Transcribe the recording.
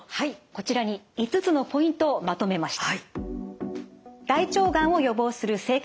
こちらに５つのポイントをまとめました。